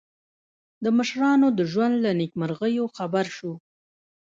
د مشرانو د ژوند له نېکمرغیو خبر شو.